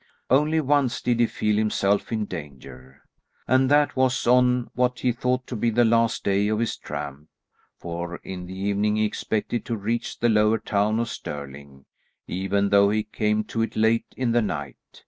Only once did he feel himself in danger, and that was on what he thought to be the last day of his tramp, for in the evening he expected to reach the lower town of Stirling, even though he came to it late in the night.